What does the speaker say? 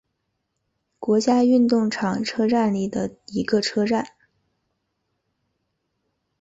国家运动场车站里的一个车站。